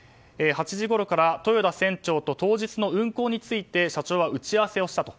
８時ごろから豊田船長と当日の運航について社長は打ち合わせをしたと。